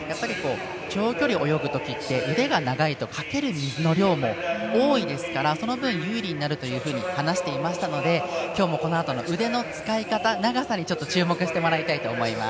長きり泳ぐときって腕が長いとかける水の量も多いですからその分、有利になると話していましたので今日、このあとも腕の使い方、長さに注目してもらいたいと思います。